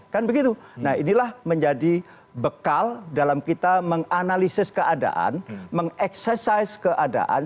kan begitu nah inilah menjadi bekal dalam kita menganalisis keadaan mengeksersaise keadaan